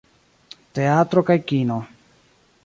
Teatro kaj kino.